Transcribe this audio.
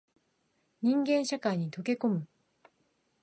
人間社会に溶け込む